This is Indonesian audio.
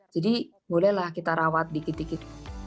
jadi bolehlah kita rawat dikit dikit